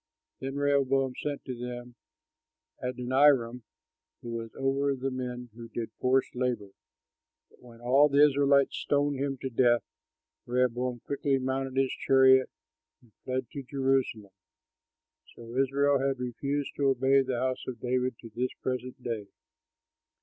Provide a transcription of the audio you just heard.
Then Rehoboam sent to them Adoniram, who was over the men who did forced labor. But when all the Israelites stoned him to death, Rehoboam quickly mounted his chariot and fled to Jerusalem. So Israel has refused to obey the house of David to the present day.